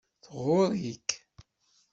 Tɣurr-ik.